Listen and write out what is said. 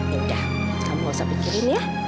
ya udah kamu enterprise pikirin ya